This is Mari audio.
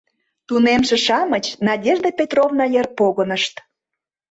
Тунемше-шамыч Надежда Петровна йыр погынышт.